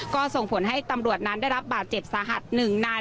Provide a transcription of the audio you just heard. ก็ส่งผลให้ตำรวจนั้นได้รับบาดเจ็บสาหัส๑นาย